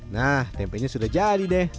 nah tempenya sudah jadi deh